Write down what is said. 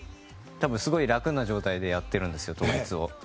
多分、すごい楽な状態で倒立をやっているんですよ。